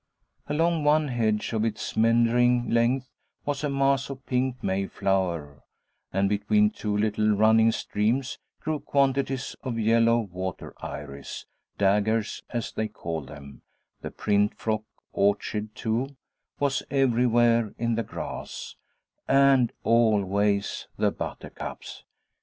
Along one hedge of its meandering length was a mass of pink mayflower; and between two little running streams grew quantities of yellow water iris 'daggers,' as they call them; the 'print frock' orchid, too, was everywhere in the grass, and always the buttercups.